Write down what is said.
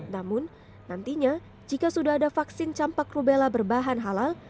namun nantinya jika sudah ada vaksin campak rubella berbahan halal